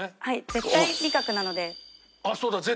絶対味覚なので。